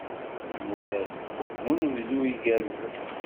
Imuras n unebdu igerrzen.